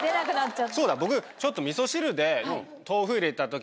そうだ僕ちょっと。